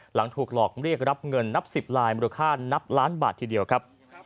หลังถูกหลอกเรียกรับเงินนับ๑๐ลายมูลค่านับล้านบาททีเดียวครับ